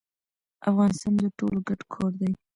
افغانستان د ټولو ګډ کور دی